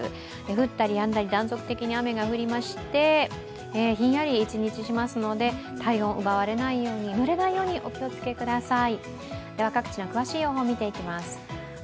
降ったりやんだり断続的に雨が降りまして、ひんやり一日しますので、体温奪われないようにぬれないようにお気をつけください。